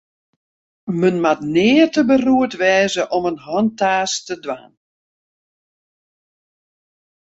Men moat nea te beroerd wêze om in hantaast te dwaan.